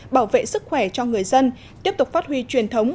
bảo vệ sức khỏe cho người dân tiếp tục phát huy truyền thống